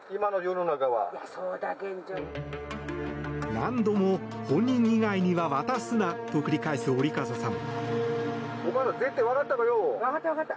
何度も本人以外には渡すなと繰り返す折笠さん。